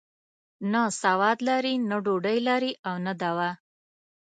نه سواد لري، نه ډوډۍ لري او نه دوا.